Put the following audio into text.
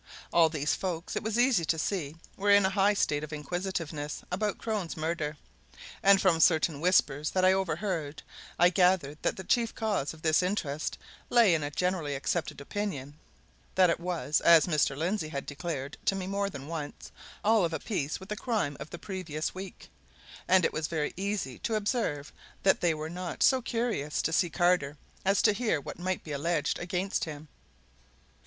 All these folk, it was easy to see, were in a high state of inquisitiveness about Crone's murder; and from certain whispers that I overheard, I gathered that the chief cause of this interest lay in a generally accepted opinion that it was, as Mr. Lindsey had declared to me more than once, all of a piece with the crime of the previous week. And it was very easy to observe that they were not so curious to see Carter as to hear what might be alleged against him.